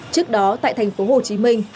trước đó tại thành phố hồ chí minh